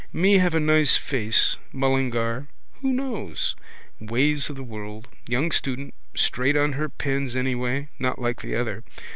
Me have a nice pace. Mullingar. Who knows? Ways of the world. Young student. Straight on her pins anyway not like the other.